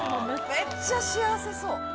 めっちゃ幸せそう。